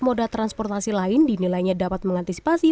moda transportasi lain dinilainya dapat mengantisipasi